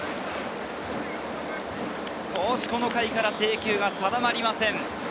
この回から制球が定まりません。